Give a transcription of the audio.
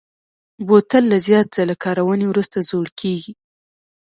بوتل له زیات ځله کارونې وروسته زوړ کېږي.